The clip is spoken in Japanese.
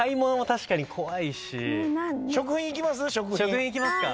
食品いきますか。